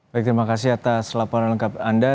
baik terima kasih atas laporan lengkap anda